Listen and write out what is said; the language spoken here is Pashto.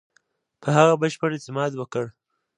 په هغه بشپړ اعتماد وکړ.